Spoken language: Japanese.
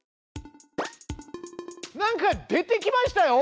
なんか出てきましたよ！